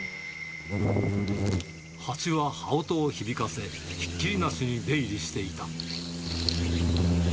ハチは羽音を響かせ、ひっきりなしに出入りしていた。